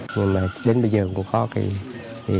nhưng mà đến bây giờ cũng có cái